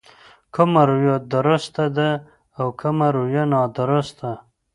کومه رويه درسته ده او کومه رويه نادرسته.